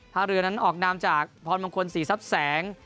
ท่าเรือนั้นออกนามจากพรมงคลศรีทรัพย์แสง